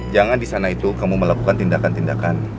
jangan di sana itu kamu melakukan tindakan tindakan